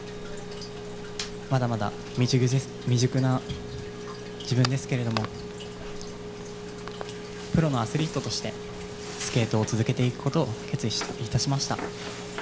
まだまだ未熟な自分ですけれども、プロのアスリートとして、スケートを続けていくことを決意いたしました。